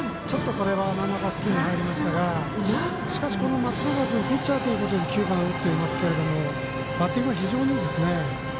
これは真ん中付近に入りましたがしかし、松永君ピッチャーということで９番打っていますけどバッティング非常にいいですね。